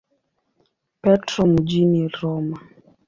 Petro mjini Roma.